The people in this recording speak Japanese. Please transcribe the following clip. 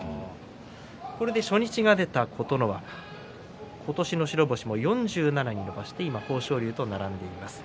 これで初日が出た琴ノ若今年の白星も４７に伸ばして今豊昇龍と並んでいます。